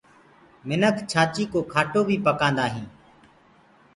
منک ڇآچيٚ ڪو کاٽو بيٚ پڪآندآ هينٚ۔